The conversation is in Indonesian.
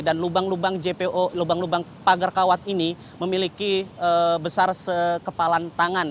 dan lubang lubang jpo lubang lubang pagar kawat ini memiliki besar sekepalan tangan